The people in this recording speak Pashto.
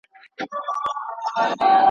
نسته له ابۍ سره شرنګی په الاهو کي.